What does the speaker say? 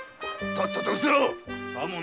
とっとと失せろ！